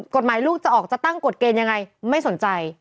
กฎหมายลูกจะออกจะตั้งกฎเกณฑ์ยังไงไม่สนใจ